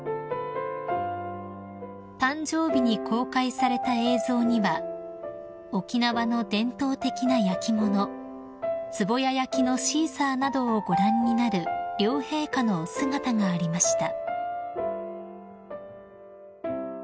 ［誕生日に公開された映像には沖縄の伝統的な焼き物壺屋焼のシーサーなどをご覧になる両陛下のお姿がありました］